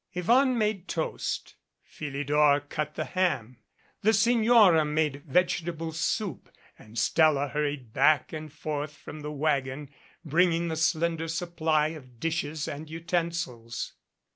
Yvonne made toast, Philidor cut the ham, the Signora made vegetable soup, and Stella hurried back and forth from the wagon, bringing the slender supply of dishes and utensils.